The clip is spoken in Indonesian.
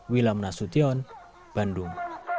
wilam nasution bandung